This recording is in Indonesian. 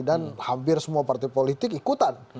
dan hampir semua partai politik ikutan